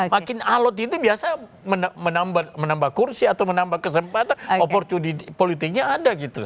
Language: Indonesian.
makin alot itu biasa menambah kursi atau menambah kesempatan opportunity politiknya ada gitu